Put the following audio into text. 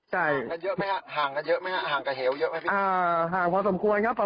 ห่างกันเยอะไหมครับห่างกับเหวเยอะไหมพี่